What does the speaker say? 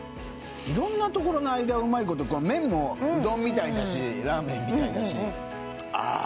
色んなところの間をうまいこと麺もうどんみたいだしラーメンみたいだしあー